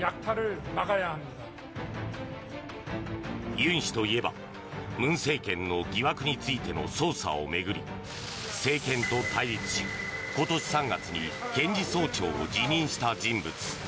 ユン氏といえば文政権の疑惑についての捜査を巡り政権と対立し、今年３月に検事総長を辞任した人物。